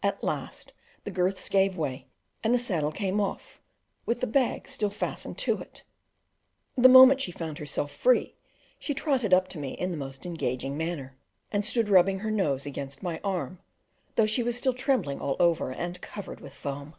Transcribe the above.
At last the girths gave way, and the saddle came off, with the bag still fastened to it; the moment she found herself free, she trotted up to me in the most engaging manner, and stood rubbing her nose against my arm, though she was still trembling all over, and covered with foam.